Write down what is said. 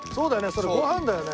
それご飯だよね。